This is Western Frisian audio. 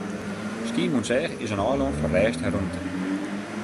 Skiermûntseach is in eilân fan rêst en rûmte.